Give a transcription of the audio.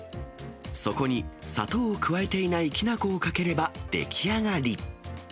そこに砂糖を加えていないきな粉をかければ出来上がり。